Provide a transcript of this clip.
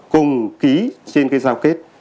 cùng ký trên giao kết